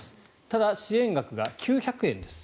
ただ支援額が９００円です。